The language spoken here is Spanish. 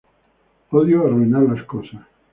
Odio arruinar las cosas.